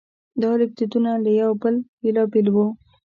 دا لیکدودونه له یو بل بېلابېل وو.